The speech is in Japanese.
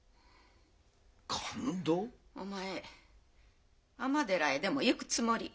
お前尼寺へでも行くつもり？